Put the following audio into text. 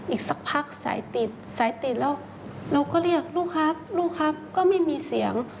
อีกสักพักสายติดสายติดแล้วเราก็เรียกลูกครับลูกครับก็ไม่มีเสียง